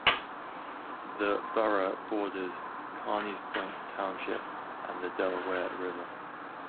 The borough borders Carneys Point Township and the Delaware River.